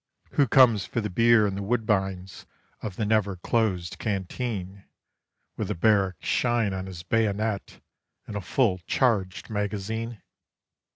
"Who comes for the beer and the Woodbines of the never closed Canteen _With the barrack shine on his bayonet and a full charged magazine?